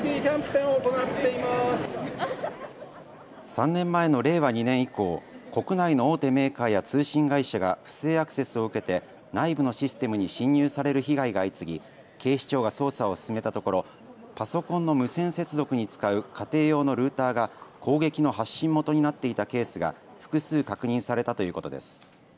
３年前の令和２年以降、国内の大手メーカーや通信会社が不正アクセスを受けて内部のシステムに侵入される被害が相次ぎ警視庁が捜査を進めたところパソコンの無線接続に使う家庭用のルーターが攻撃の発信元になっていたケースが複数確認されたということです。